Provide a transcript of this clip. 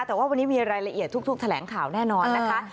แต่ว่าวันนี้มีรายละเอียดทุกแถลงข่าวแน่นอนนะคะ